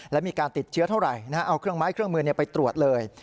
และมีการติดเชื้อเท่าไหร่เอาเครื่องไม้เครื่องมือไปตรวจเลย